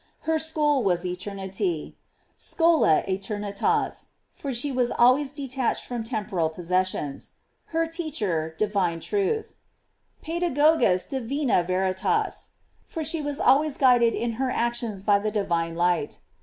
Her school was eternity: "Schola aeter nitas," for she was always detached from tern poral possessions. Her teacher, divine truth: "Psedagogus divina veritas," for she was always guided in her actions by the divine light.